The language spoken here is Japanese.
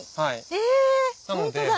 えホントだ。